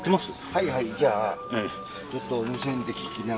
はいはいじゃあちょっと無線で聞きながら。